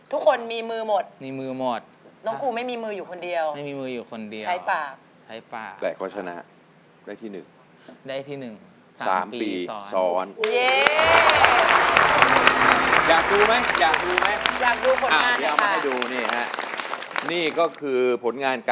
ทุกคนมีมือหมดใช่ป่าว